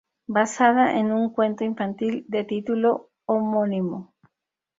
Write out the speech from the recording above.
Basada en un cuento infantil de título homónimo.